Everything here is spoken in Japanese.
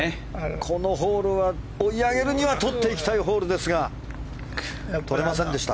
このホールは追い上げるには取っていきたいホールですが取れませんでした。